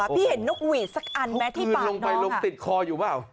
ที่เห็นนกหวีดสักอันแม้ที่ปากน้องนะโดยไม่ใช้นกหวีดสักอันเคือนลงไปลมติดคออยู่มั้ย